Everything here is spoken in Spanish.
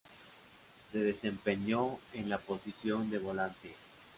Se desempeñó en la posición de volante.